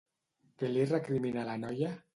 Què li recrimina la noia?